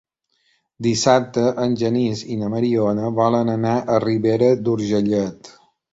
Dissabte en Genís i na Mariona volen anar a Ribera d'Urgellet.